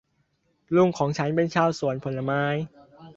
ลุงของฉันเป็นชาวสวนผลไม้